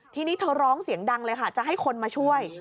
ทีนี้เธอร้องเสียงดังเลยค่ะจะให้คนมาช่วย